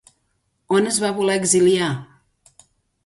On es va voler exiliar?